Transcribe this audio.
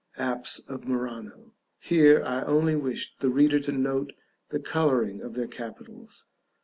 "Apse of Murano;" here I only wish the reader to note the coloring of their capitals.